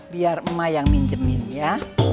biar emak yang minjemin ya